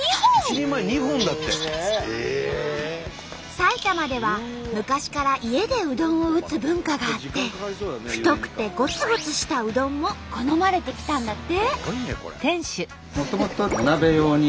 埼玉では昔から家でうどんを打つ文化があって太くてごつごつしたうどんも好まれてきたんだって。